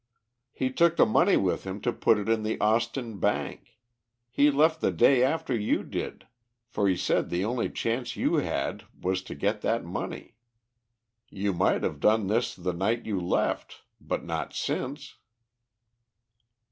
"He took the money with him to put it in the Austin Bank. He left the day after you did, for he said the only chance you had, was to get that money. You might have done this the night you left, but not since."